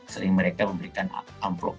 sering mereka memberikan amplop